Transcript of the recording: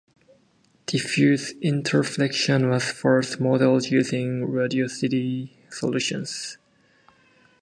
Diffuse interreflection was first modeled using radiosity solutions.